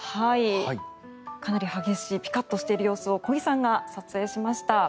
かなり激しいピカッとしている様子を小木さんが撮影しました。